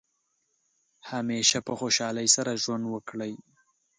همیشه په خوشحالۍ سره ژوند وکړئ.